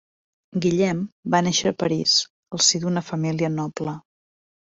Guillem va néixer a París, el si d'una família noble.